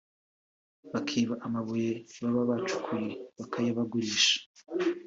bakiba amabuye baba bacukuye bakayabagurisha